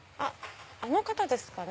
あの方ですかね。